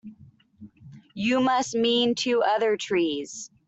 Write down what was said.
You must mean two other trees.